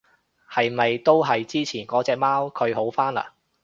係咪都係之前嗰隻貓？佢好返嘞？